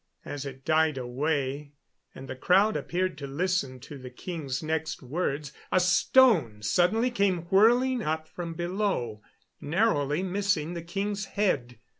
As it died away, and the crowd appeared to listen to the king's next words, a stone suddenly came whirling up from below, narrowly missing the king's head.